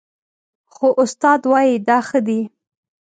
خو استاد وايي دا ښه دي